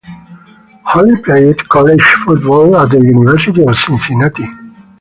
Holly played college football at the University of Cincinnati.